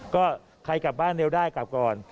ก็ใครกลับบ้านเร็วได้กลับก่อน